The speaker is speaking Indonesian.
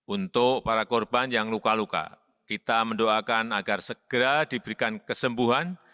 untuk para korban yang luka luka kita mendoakan agar segera diberikan kesembuhan